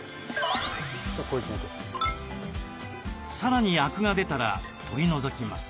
さらにアクが出たら取り除きます。